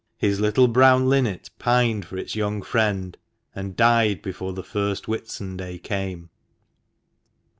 His little brown linnet pined for its young friend, and died before the first Whitsunday came.